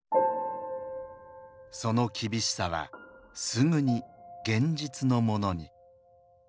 その厳しさはすぐに現実のものに。